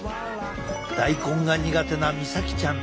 大根が苦手な翠咲ちゃん。